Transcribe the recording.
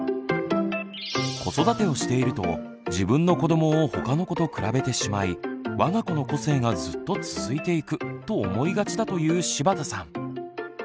子育てをしていると自分の子どもをほかの子と比べてしまい「わが子の個性がずっと続いていく」と思いがちだという柴田さん。